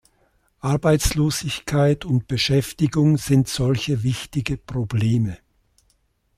Arbeitslosigkeit und Beschäftigung sind solche wichtige Probleme.